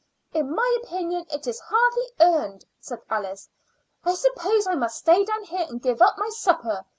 "In my opinion, it is hardly earned," said Alice. "I suppose I must stay down here and give up my supper.